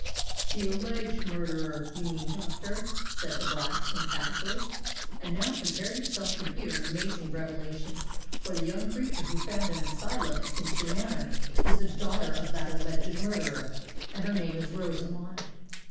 "The alleged murderer, you mean, doctor," said the Black, emphatically. "And now prepare yourself to hear an amazing revelation—for the young creature who found an asylum at Finchley Manor, is the daughter of that alleged murderer, and her name is Rosamond."